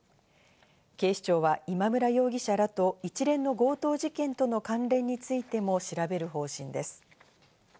警視庁は、今村容疑者らと一連の強盗事件との関連についても調べる方針です。